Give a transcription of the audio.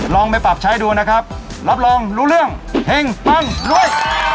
ลองไปปรับใช้ดูนะครับรับรองรู้เรื่องเฮงปังรวย